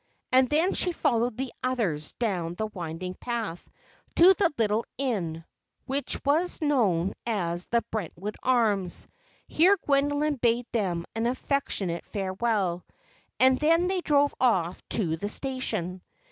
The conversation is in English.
And then she followed the others, down the winding path, to the little inn, which was known as the Brentwood Arms. Here Gwendoline bade them an affectionate farewell. And then they drove off to the station.